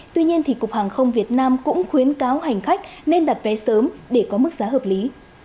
tuy nhiên cục hàng không việt nam cũng khuyến cáo hành khách nên đặt vé sớm để có mức giá hợp lý